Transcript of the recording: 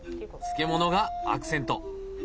漬物がアクセント。